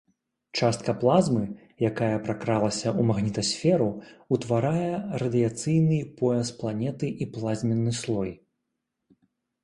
Частка плазмы, якая пракралася ў магнітасферу, утварае радыяцыйны пояс планеты і плазменны слой.